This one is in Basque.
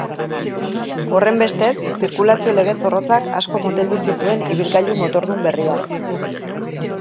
Horrenbestez, zirkulazio lege zorrotzak asko moteldu zituen ibilgailu motordun berriak.